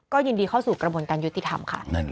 ยินดีเข้าสู่กระบวนการยุติธรรมค่ะ